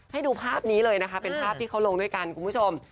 ให้ดูภาพนี้เลยนะคะเป็นภาพที่เขาลงด้วยกันคุณผู้ชม